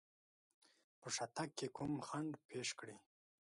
په شاتګ کې کوم خنډ پېښ کړي.